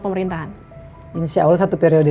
pemerintahan insya allah satu periode